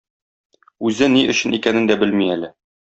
Үзе ни өчен икәнен дә белми әле.